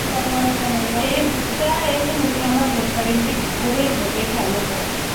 Esta es una escama transparente que cubre y protege al ojo.